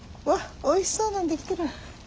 わっおいしそうなん出来てる。